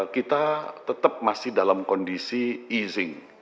kita tetap masih dalam kondisi easyc